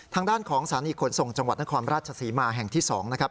ทางด้านของสถานีขนส่งจังหวัดนครราชศรีมาแห่งที่๒นะครับ